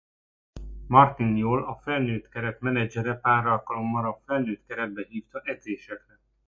Martin Jol a felnőtt keret menedzsere pár alkalommal a felnőtt keretbe hívta edzésekre.